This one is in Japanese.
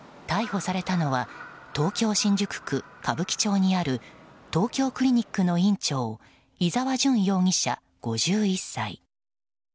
逮捕されたのは東京・新宿区歌舞伎町にある東京クリニックの院長伊沢純容疑者、５１歳。